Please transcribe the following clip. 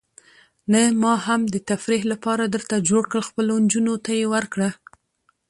نه، ما هم د تفریح لپاره درته جوړ کړل، خپلو نجونو ته یې ورکړه.